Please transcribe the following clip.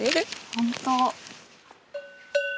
本当！